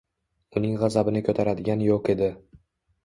Uning gʻazabini koʻtaradigan yoʻq edi.